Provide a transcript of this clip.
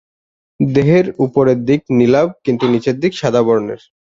দেহের উপরের দিক নীলাভ কিন্তু নিচের দিক সাদা বর্ণের।